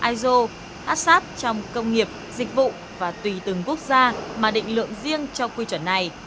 iso áp sát trong công nghiệp dịch vụ và tùy từng quốc gia mà định lượng riêng cho quy chuẩn này